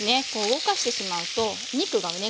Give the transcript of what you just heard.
動かしてしまうとお肉がね